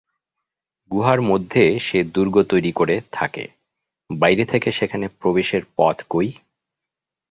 গুহার মধ্যে সে দুর্গ তৈরি করে থাকে, বাইরে থেকে সেখানে প্রবেশের পথ কই?